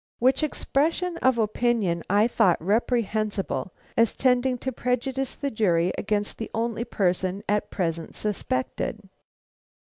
Which expression of opinion I thought reprehensible, as tending to prejudice the jury against the only person at present suspected.